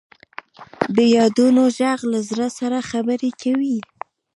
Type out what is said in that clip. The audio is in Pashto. د یادونو ږغ له زړه سره خبرې کوي.